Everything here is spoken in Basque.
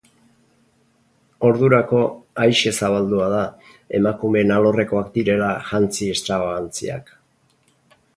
Ordurako, aise zabaldua da, emakumeen alorrekoak direla jantzi estrabagantziak.